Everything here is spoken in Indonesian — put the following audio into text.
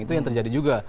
itu yang terjadi juga